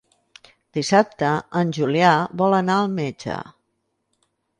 Dissabte en Julià vol anar al metge.